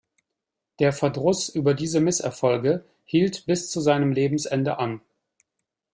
Der Verdruss über diese Misserfolge hielt bis zu seinem Lebensende an.